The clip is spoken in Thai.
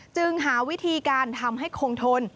หาวิธีการทำให้คงทน